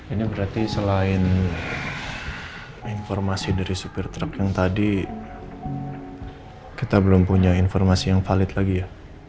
ini berarti selain informasi dari supir truk yang tadi kita belum punya informasi yang valid lagi ya